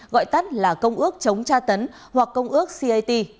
gọi tắt là công ước chống tra tấn hoặc công ước cat